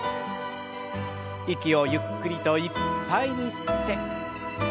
息をゆっくりといっぱいに吸って。